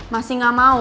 masih gak mau